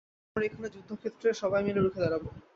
তাই আমরা এখানে যুদ্ধক্ষেত্রে সবাই মিলে রুখে দাঁড়াবো।